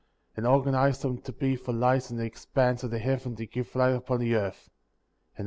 And organized them to be for lights in the expan ^ of the heaven to give light upon the earth; and it >v'as so.